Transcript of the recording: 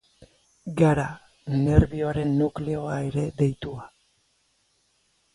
Gara nerbioaren nukleoa ere deitua.